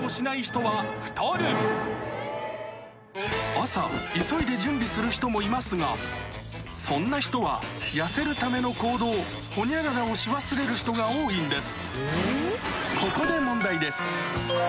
朝急いで準備する人もいますがそんな人は痩せるための行動ホニャララをし忘れる人が多いんです